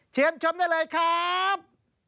เชียญชมได้เลยครับ